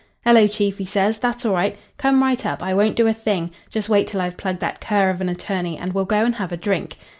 "'Hello, chief,' he says. 'That's all right. Come right up. I won't do a thing. Just wait till I've plugged that cur of an attorney and we'll go and have a drink.'